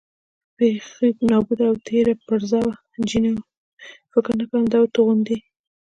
بېخي نابوده او تېره پرزه وه، جینو: فکر نه کوم چې دا توغندي.